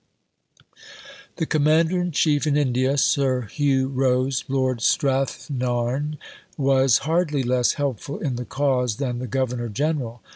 The Commander in Chief in India, Sir Hugh Rose (Lord Strathnairn) was hardly less helpful in the cause than the Governor General.